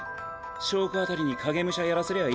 硝子あたりに影武者やらせりゃいいだろ。